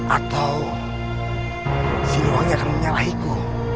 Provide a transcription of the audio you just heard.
atau siluangnya akan menyalahiku